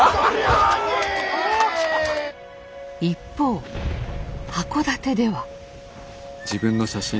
一方箱館では。